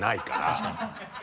確かに。